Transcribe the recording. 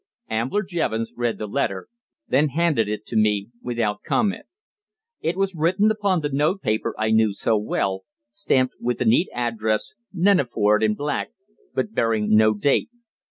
Ambler Jevons read the letter, then handed it to me without comment. It was written upon the note paper I knew so well, stamped with the neat address "Neneford," in black, but bearing no date.